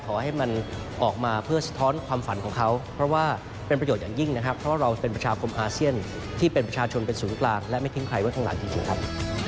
ขอให้มันออกมาเพื่อสะท้อนความฝันของเขาเพราะว่าเป็นประโยชน์อย่างยิ่งนะครับเพราะว่าเราเป็นประชาคมอาเซียนที่เป็นประชาชนเป็นศูนย์กลางและไม่ทิ้งใครไว้ข้างหลังจริงครับ